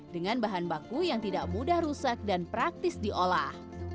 dengan bahan baku yang tidak mudah rusak dan praktis diolah